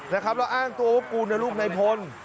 นะครับแล้วอ้างตัวว่ากูนะลูกนายพล